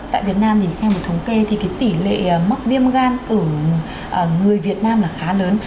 tại việt nam thì theo một thống kê thì tỷ lệ mắc viêm gan ở người việt nam là khá lớn